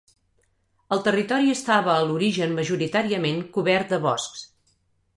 El territori estava a l'origen majoritàriament cobert de boscs.